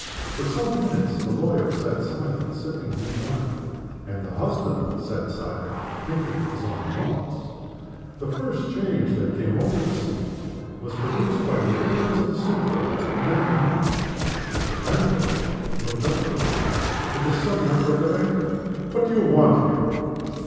For some minutes the lawyer sat silent, sipping his wine, and the husband sat silent, thinking his own thoughts. The first change that came over the scene was produced by the appearance of a servant in the dining room. Mr. Vanborough looked up at the man with a sudden outbreak of anger. "What do you want here?"